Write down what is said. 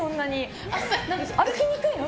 歩きにくいの？